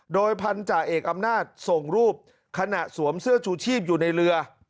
โดยพันธาเอกอำนาจส่งรูปขณะสวมเสื้อชูชีพอยู่ในเรือ